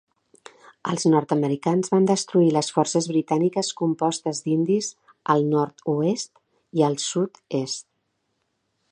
Els nord-americans van destruir les forces britàniques compostes d'indis al nord-oest i el sud-est.